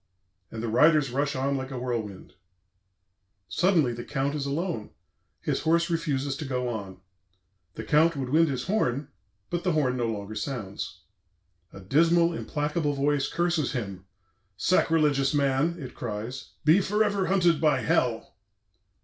and the riders rush on like a whirlwind. "Suddenly the Count is alone; his horse refuses to go on; the Count would wind his horn, but the horn no longer sounds.... A dismal, implacable voice curses him: 'Sacrilegious man,' it cries, 'be forever hunted by Hell!'